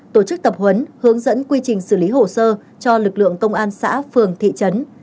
tổ chức tập huấn hướng dẫn quy trình xử lý hồ sơ cho lực lượng công an xã phường thị trấn